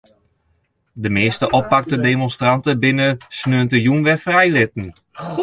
De measte oppakte demonstranten binne saterdeitejûn wer frijlitten.